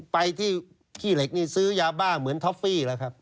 ไปที่ขี้เหล็กนี่ซื้อยาบ้าเหมือนท็อฟฟี่แล้วครับ